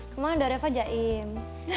kemana ada refah jaim